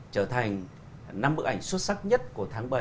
trở thành năm bức ảnh xuất sắc nhất của tháng bảy